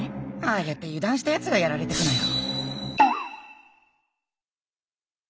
ああやって油断したやつがやられてくのよ。